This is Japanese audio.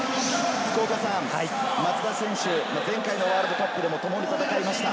松田選手、前回のワールドカップでも共に戦いました。